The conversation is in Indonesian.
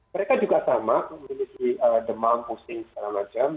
mereka juga sama memiliki demam pusing segala macam